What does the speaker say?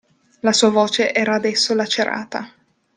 La sua voce era adesso lacerata.